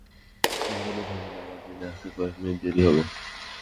আমাকে নিয়ে ভাববেন না, আমার ট্রেন আসতে কয়েক মিনিট দেরি হবে।